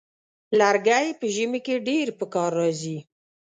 لرګی په ژمي کې ډېر پکار راځي.